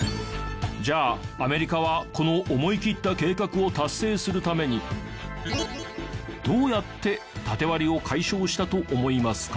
じゃあアメリカはこの思いきった計画を達成するためにどうやってタテ割りを解消したと思いますか？